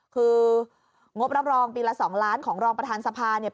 คืองบรับรองปีละ๒ล้านของรองประธานสภาเนี่ย